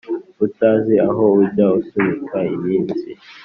Utazi aho ujya usunika iminsi,